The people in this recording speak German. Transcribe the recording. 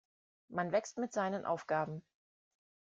Man wächst mit seinen Aufgaben.